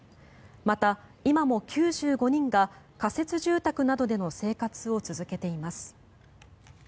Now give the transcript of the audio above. また、今も９５人が仮設住宅などでの生活を続けています。